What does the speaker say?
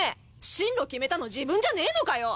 進路決めたの自分じゃねえのかよ！